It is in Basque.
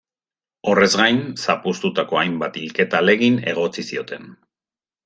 Horrez gain, zapuztutako hainbat hilketa ahalegin egotzi zioten.